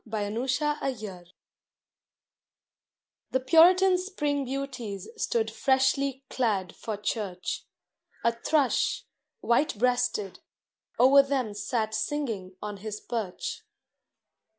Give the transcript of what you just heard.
THE SPRING BEAUTIES The Puritan Spring Beauties stood freshly clad for church; A Thrush, white breasted, o'er them sat singing on his perch.